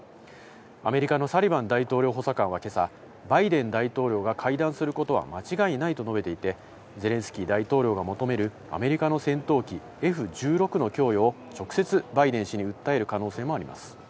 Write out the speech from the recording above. アメリカのサリバン大統領補佐官は今朝バイデン大統領が会談することは間違いないと述べていて、ゼレンスキー大統領が求めるアメリカの戦闘機Ｆ１６の供与を直接バイデン氏に訴える可能性もあります。